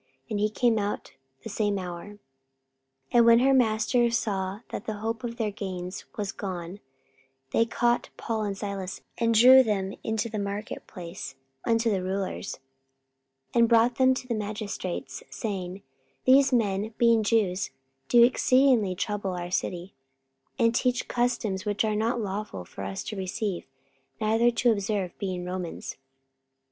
And he came out the same hour. 44:016:019 And when her masters saw that the hope of their gains was gone, they caught Paul and Silas, and drew them into the marketplace unto the rulers, 44:016:020 And brought them to the magistrates, saying, These men, being Jews, do exceedingly trouble our city, 44:016:021 And teach customs, which are not lawful for us to receive, neither to observe, being Romans.